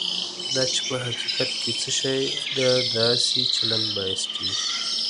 دا چې په حقیقت کې څه شی د داسې چلند باعث کېږي.